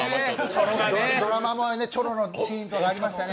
ドラマもチョロのシーンとかありましたよね。